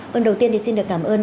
còn đầu tiên thì xin được cảm ơn